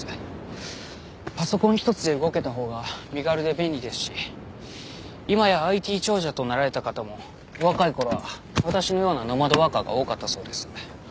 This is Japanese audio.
パソコン一つで動けたほうが身軽で便利ですし今やＩＴ長者となられた方もお若い頃は私のようなノマドワーカーが多かったそうです。